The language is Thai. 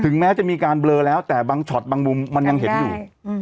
แม้จะมีการเบลอแล้วแต่บางช็อตบางมุมมันยังเห็นอยู่